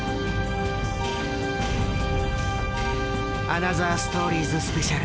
「アナザーストーリーズ・スペシャル９．１１